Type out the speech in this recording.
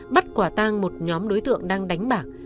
bắt quả tang một nhóm đối tượng đang đánh bạc